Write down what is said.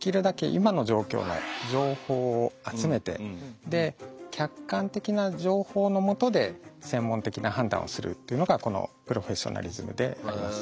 今の状況の情報を集めてで客観的な情報のもとで専門的な判断をするというのがこのプロフェッショナリズムであります。